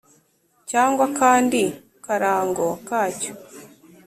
cyangwa akandi karango kacyo